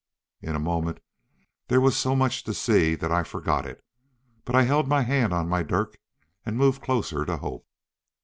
In a moment there was so much to see that I forgot it, but I held my hand on my dirk and moved closer to Hope.